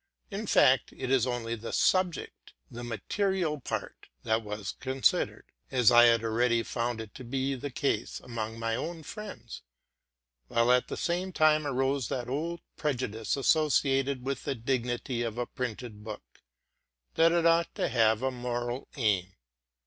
In fact, it was only the subject, the material part, that was considered, as I had already found to be the case among my own friends; while at the same time arose that old prejudice, associated with the dig nity of a printed book, — that it ought to have a moral aim.